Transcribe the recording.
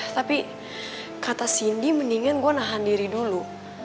tapi kata cindy mendingan gue nahan diri dulu